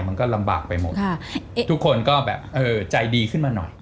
มันก็ลำบากไปหมดทุกคนก็แบบเออใจดีขึ้นมาหน่อย